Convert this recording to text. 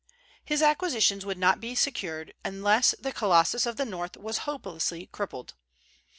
His acquisitions would not be secure unless the Colossus of the North was hopelessly crippled.